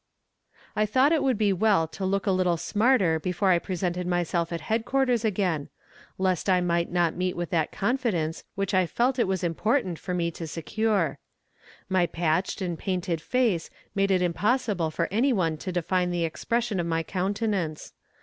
I thought it would be well to look a little smarter before I presented myself at headquarters again, lest I might not meet with that confidence which I felt it was important for me to secure. My patched and painted face made it impossible for any one to define the expression of my countenance.